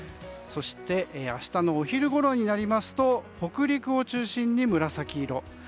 そして、明日のお昼ごろになると北陸を中心に紫色。